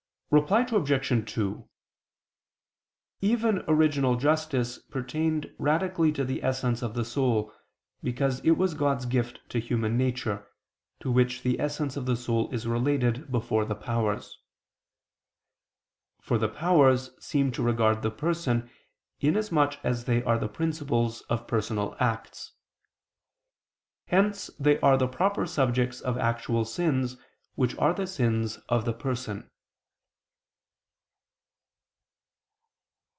Reply Obj. 2: Even original justice pertained radically to the essence of the soul, because it was God's gift to human nature, to which the essence of the soul is related before the powers. For the powers seem to regard the person, in as much as they are the principles of personal acts. Hence they are the proper subjects of actual sins, which are the sins of the person.